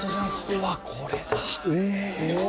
うわっこれだ。